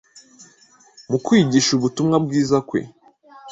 Mu kwigisha ubutumwa bwiza kwe,